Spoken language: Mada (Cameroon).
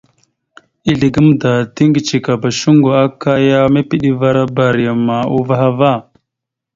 Ezle gamənda tiŋgəcekaba shuŋgo aka ya mepeɗevara barima uvah ava.